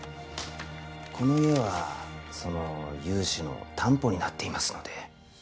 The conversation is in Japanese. この家はその融資の担保になっていますので